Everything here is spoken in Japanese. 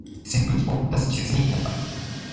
扇風機を出す季節になった